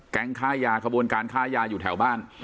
ค่ายาขบวนการค้ายาอยู่แถวบ้าน